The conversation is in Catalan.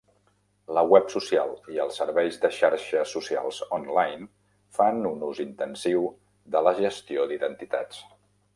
La web social i els serveis de xarxes socials on-line fan un ús intensiu de la gestió d'identitats.